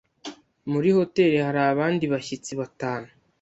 Muri hoteri hari abandi bashyitsi batanu.